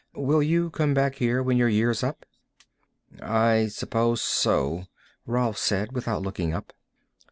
Will you come back here when your year's up?" "I suppose so," Rolf said without looking up.